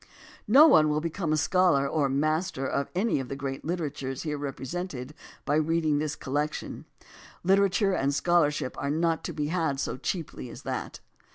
No one will become a scholar or a master of any of the great literatures here represented by reading this collection. Literature and scholarship are not to be had so cheaply as that.